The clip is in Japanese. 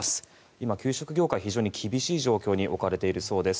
今、給食業界非常に厳しい状況に置かれているそうです。